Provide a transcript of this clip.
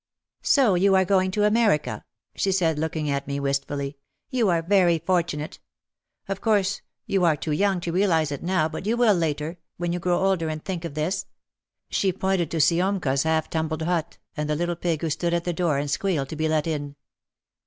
"So you are going to America," she said, looking at me wistfully, "you are very fortunate. Of course you are too young to realise it now but you will, later, when OUT OF THE SHADOW 35 you grow older and think of this." She pointed to Siomka's half tumbled hut, and the little pig who stood at the door and squealed to be let in.